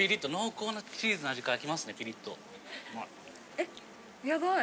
えヤバい。